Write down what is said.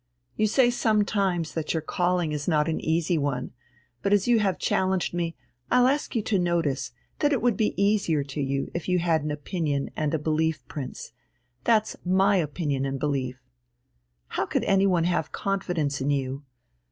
You say sometimes that your calling is not an easy one, but as you have challenged me, I'll ask you to notice that it would be easier to you if you had an opinion and a belief, Prince, that's my opinion and belief. How could anyone have confidence in you!